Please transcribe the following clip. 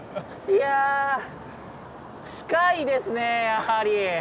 いや近いですねやはり。